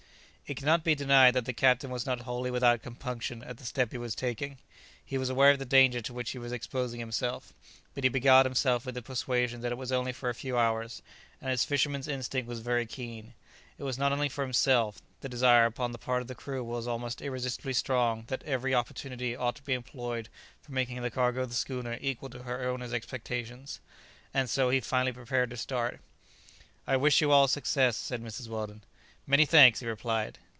It cannot be denied that the captain was not wholly without compunction at the step he was taking; he was aware of the danger to which he was exposing himself, but he beguiled himself with the persuasion that it was only for a few hours; and his fisherman's instinct was very keen. It was not only for himself; the desire upon the part of the crew was almost irresistibly strong that every opportunity ought to be employed for making the cargo of the schooner equal to her owner's expectations. And so he finally prepared to start. "I wish you all success!" said Mrs. Weldon. "Many thanks!" he replied.